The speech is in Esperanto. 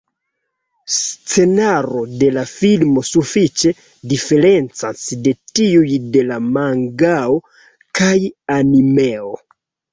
Scenaro de la filmo sufiĉe diferencas de tiuj de la mangao kaj animeo.